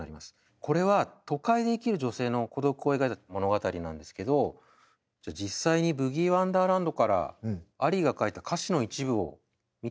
これは都会に生きる女性の孤独を描いた物語なんですけどじゃあ実際に「ＢｏｏｇｉｅＷｏｎｄｅｒｌａｎｄ」からアリーが書いた歌詞の一部を見てみましょうか。